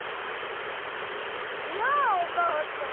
いやお母ちゃん！